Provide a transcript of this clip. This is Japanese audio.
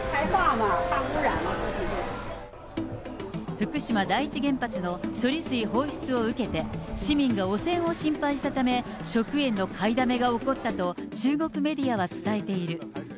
福島第一原発の処理水放出を受けて、市民が汚染を心配したため、食塩の買いだめが起こったと、中国メディアは伝えている。